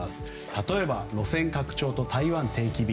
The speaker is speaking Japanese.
例えば、路線拡張と台湾定期便。